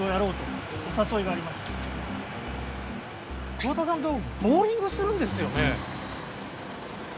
桑田さんとボウリングするんですよね？